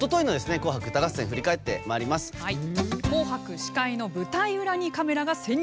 「紅白」司会の舞台裏にカメラが潜入。